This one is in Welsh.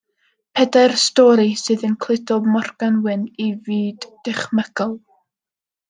Pedair stori sydd yn cludo Morgan Wyn i fyd dychmygol.